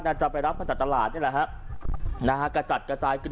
น่าจะไปรับมันจัดตลาดเนี้ยแหละฮะนะฮะกะจัดกะจายกระเด